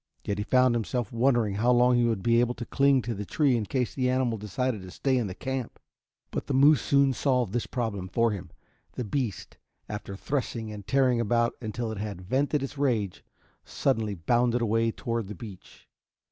Yet he found himself wondering how long he would be able to cling to the tree in case the animal decided to stay in the camp. But the moose soon solved this problem for him. The beast, after threshing and tearing about until it had vented its rage, suddenly bounded away toward the beach.